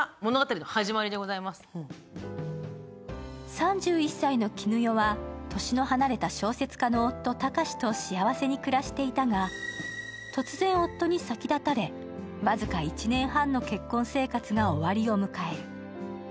３１歳の絹代は年の離れた小説家の夫・貴志と幸せに暮らしていたが、突然、夫に先立たれ僅か１年半の結婚生活が終わりを迎える。